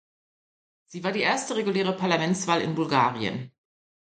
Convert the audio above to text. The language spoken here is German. Sie war die erste reguläre Parlamentswahl in Bulgarien.